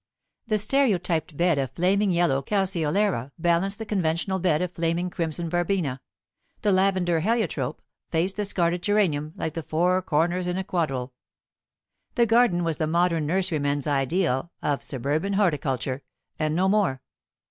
The stereotyped bed of flaming yellow calceolaria balanced the conventional bed of flaming crimson verbena; the lavender heliotrope faced the scarlet geranium, like the four corners in a quadrille. The garden was the modern nurserymen's ideal of suburban horticulture, and no more.